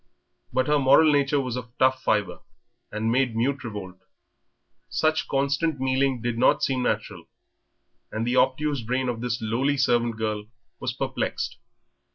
But her moral nature was of tough fibre, and made mute revolt. Such constant mealing did not seem natural, and the obtuse brain of this lowly servant girl was perplexed.